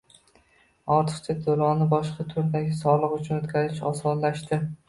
Ortiqcha to‘lovni boshqa turdagi soliq uchun o‘tkazish osonlashdi